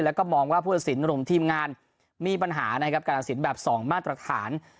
และก็มองว่าผู้ละสินรวมทีมงานมีปัญหาในการอาศิลป์แบบ๒มาตรฐาน